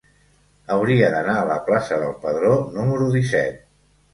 Hauria d'anar a la plaça del Pedró número disset.